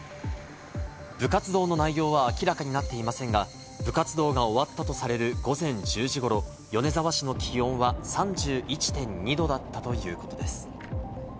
部活動の内容は明らかになっていませんが、部活動が終わったとされる午前１０時頃、米沢市の気温は３１．２℃だったということです。